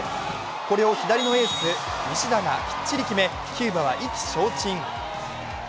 これを左のエースがきっちりと決めキューバは意気消沈。